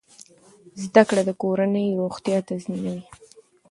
زده کړه د کورنۍ روغتیا تضمینوي۔